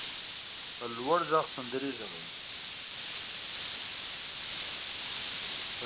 په لوړ غږ سندرې غږوي.